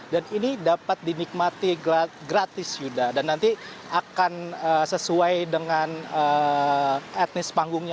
dan ini dapat dinikmati gratis juga dan nanti akan sesuai dengan etnis panggungnya